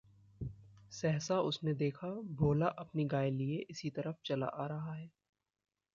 सहसा उसने देखा, भोला अपनी गाय लिए इसी तरफ चला आ रहा है